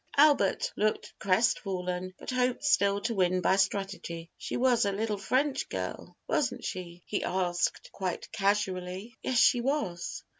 Albert looked crestfallen, but hoped still to win by strategy. "She was a little French girl, wasn't she?" he asked, quite casually. "Yes, she was."